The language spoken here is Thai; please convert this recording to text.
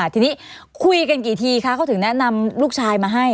ทีนี้คุยกันกี่ทีคะเขาถึงแนะนำลูกชายมาให้